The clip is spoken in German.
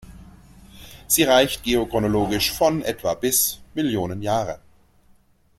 Sie reicht geochronologisch von etwa bis Millionen Jahre.